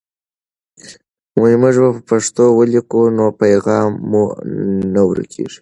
موږ په پښتو ولیکو نو پیغام مو نه ورکېږي.